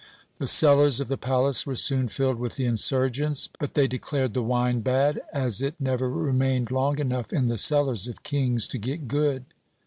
The cellars of the palace were soon filled with the insurgents; but they declared the wine bad, as it never remained long enough in the cellars of kings to get good!